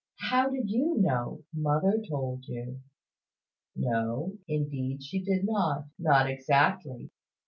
"How did you know? Mother told you." "No; indeed she did not, not exactly.